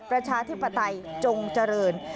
ประชาธิปไตยจงเจริญ